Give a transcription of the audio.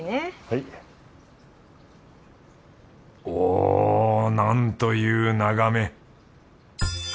おなんという眺め！